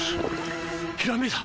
ひらめいた！